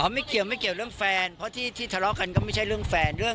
ไม่เกี่ยวไม่เกี่ยวเรื่องแฟนเพราะที่ทะเลาะกันก็ไม่ใช่เรื่องแฟนเรื่อง